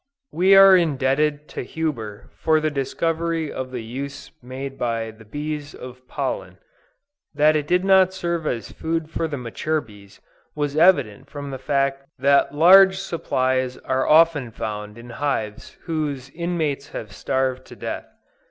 We are indebted to Huber for the discovery of the use made by the bees of pollen. That it did not serve as food for the mature bees, was evident from the fact that large supplies are often found in hives whose inmates have starved to death.